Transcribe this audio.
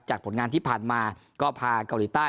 จากผลงานที่ผ่านมาก็ยากหีร์แนกก็พาเกาหลีใต้